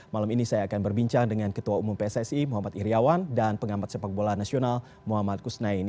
malam ini saya akan berbincang dengan ketua umum pssi muhammad iryawan dan pengamat sepak bola nasional muhammad kusnaini